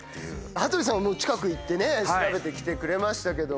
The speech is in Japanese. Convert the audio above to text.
羽鳥さんはもう近く行ってね調べてきてくれましたけども。